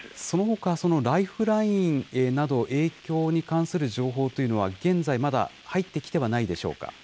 そのほか、ライフラインなど、影響に関する情報というのは、現在、まだ入ってきてはないでしょうか。